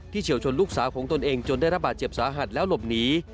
เฉียวชนลูกสาวของตนเองจนได้รับบาดเจ็บสาหัสแล้วหลบหนี